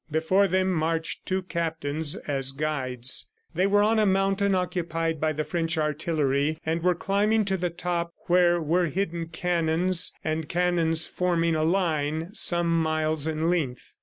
Before them marched two captains as guides. They were on a mountain occupied by the French artillery, and were climbing to the top where were hidden cannons and cannons, forming a line some miles in length.